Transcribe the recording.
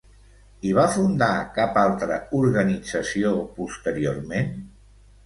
I va fundar cap altra organització posteriorment?